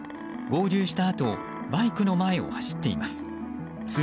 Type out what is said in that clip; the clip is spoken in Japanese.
合流したあとバイクの前を走っています。